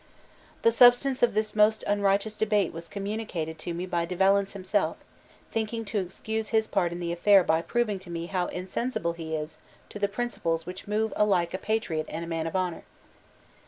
"The substance of this most unrighteous debate was communicated to me by De Valence himself; thinking to excuse his part in the affair by proving to me how insensible he is to the principles which move alike a patriot and a man of honor.